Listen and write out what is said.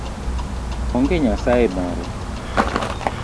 Onge nyasaye moro.